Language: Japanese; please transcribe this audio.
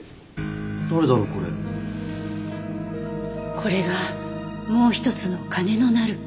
これがもう一つの「金のなる木」？